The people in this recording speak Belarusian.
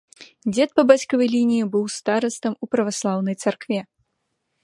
Дзед па бацькавай лініі быў старастам у праваслаўнай царкве.